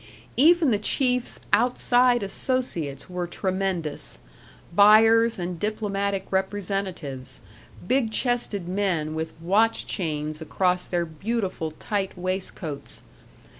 Even the chiefs' outside associates were tremendous, buyers and diplomatic representatives; big chested men with watch chains across their beautiful tight waistcoats.